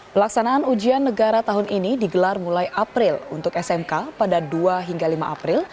pelaksanaan ujian negara tahun ini digelar mulai april untuk smk pada dua hingga lima april